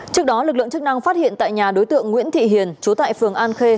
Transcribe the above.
trước đó lực lượng chức năng phát hiện tại nhà đối tượng nguyễn thị hiền chú tại phường an khê